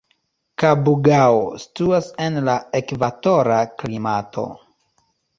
Kabugao situas en la ekvatora klimato.